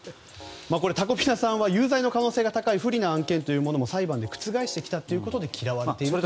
タコピナさんは有罪の可能性が高い不利な案件も裁判で覆してきたということで嫌われていると。